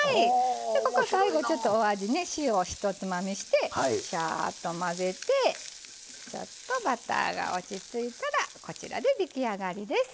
ここ最後ちょっとお味ね塩を１つまみしてしゃっと混ぜてちょっとバターが落ち着いたらこちらで出来上がりです。